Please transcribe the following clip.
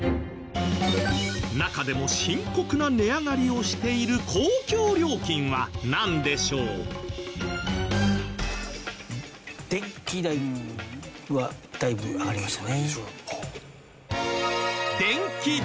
中でも深刻な値上がりをしている公共料金はなんでしょう？はだいぶ上がりましたね。